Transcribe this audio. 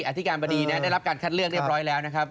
อธิการบดีได้รับการคัดเลือกเรียบร้อยแล้วนะครับ